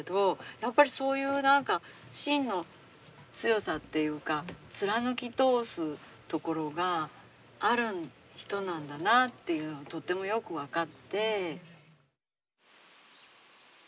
やっぱりそういう何か心の強さっていうか貫き通すところがある人なんだなあっていうのがとってもよく分かって。